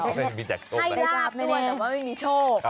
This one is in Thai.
ให้ลาบตัวแต่ว่าไม่มีโชค